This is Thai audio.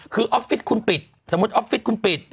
คือออฟฟิศคุณปิดสมมุติออฟฟิศคุณปิด